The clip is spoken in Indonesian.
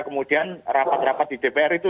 kemudian rapat rapat di dpr itu